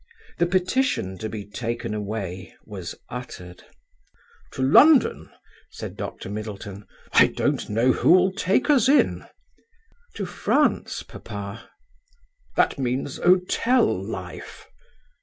The petition to be taken away was uttered. "To London?" said Dr. Middleton. "I don't know who'll take us in." "To France, papa?" "That means hotel life."